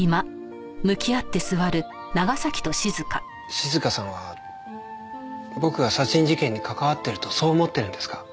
静香さんは僕が殺人事件に関わってるとそう思ってるんですか？